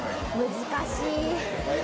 難しい。